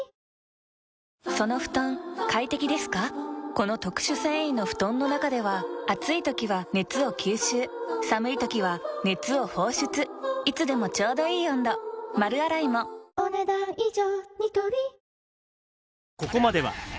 この特殊繊維の布団の中では暑い時は熱を吸収寒い時は熱を放出いつでもちょうどいい温度丸洗いもお、ねだん以上。